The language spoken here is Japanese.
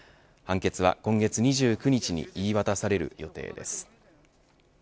判決は今月２９日に言い渡される予定です。